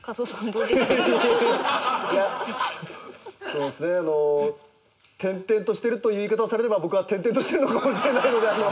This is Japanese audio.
そうですね転々としてるという言い方をされれば僕は転々としてるのかもしれないので。